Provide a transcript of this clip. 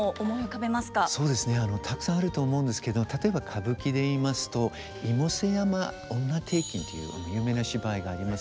そうですねたくさんあると思うんですけど例えば歌舞伎でいいますと「妹背山婦女庭訓」というあの有名な芝居がありますね。